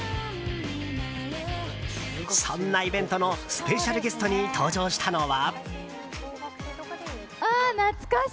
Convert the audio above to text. そんなイベントのスペシャルゲストに登場したのは。